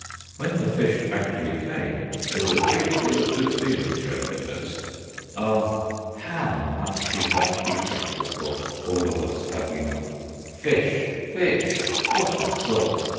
When the fish actually came, there was a great deal of good feeling shown at first. "Oh, how much we have to be thankful for, all of us, have we not? Fish, fish: what a thought!